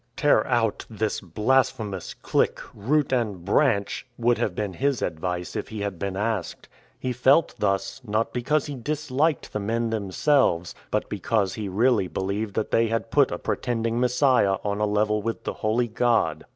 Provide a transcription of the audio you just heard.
" Tear out this blasphemous clique, root and branch," would have been his advice if he had been asked. He felt thus, not because he disliked the men themselves, but because he really believed that they had put a Pretending Messiah on a level with the Holy God.